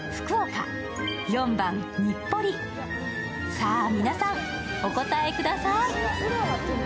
さあ、皆さんお答えください。